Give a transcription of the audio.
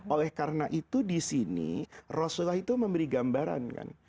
oleh karena itu disini rasulullah itu memberi gambaran kan